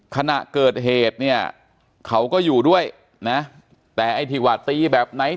ขณะเกิดเหตุเนี่ยเขาก็อยู่ด้วยนะแต่ไอ้ที่ว่าตีแบบไหน